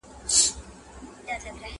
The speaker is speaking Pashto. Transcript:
چي مي په کلیو کي بلا لنګه سي!!